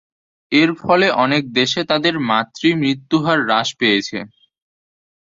এর ফলে অনেক দেশে তাদের মাতৃ মৃত্যুহার হ্রাস পেয়েছে।